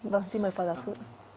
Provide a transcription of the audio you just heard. vâng xin mời phó giáo sư